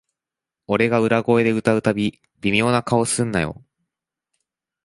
俺が裏声で歌うたび、微妙な顔すんなよ